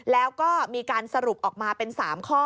แล้วก็มีการสรุปออกมาเป็น๓ข้อ